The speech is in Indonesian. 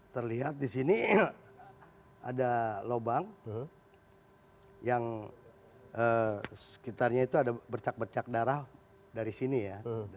terlihat di sini ada lubang yang sekitarnya itu ada bercak bercak darah dari sini ya